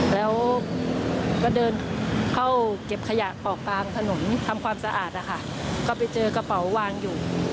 แล้วก็เดินเข้าเก็บขยะออกกลางถนนทำความสะอาดนะคะก็ไปเจอกระเป๋าวางอยู่